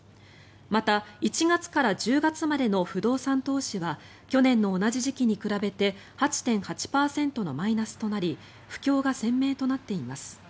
また１月から１０月までの不動産投資は去年の同じ時期に比べて８．８％のマイナスとなり不況が鮮明となっています。